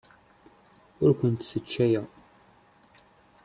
Ur kent-sseccayeɣ.